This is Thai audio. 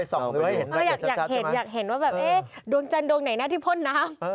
อยากเห็นอยากเห็นว่าแบบเอ๊ะดวงจันทร์ดวงไหนนะที่พ่นน้ำ